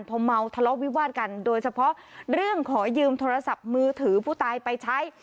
พอเมาทะเลาะวิวาดกันโดยเฉพาะเรื่องขอยืมโทรศัพท์มือถือผู้ตายไปใช้